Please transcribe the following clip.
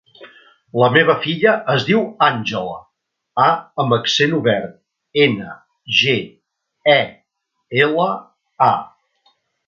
La meva filla es diu Àngela: a amb accent obert, ena, ge, e, ela, a.